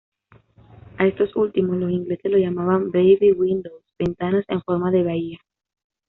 A estos últimos los ingleses los llamaban "bay-windows", ventanas en forma de bahía.